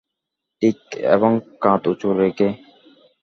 ঠিক, এবং কাঁধ উঁচু রেখে।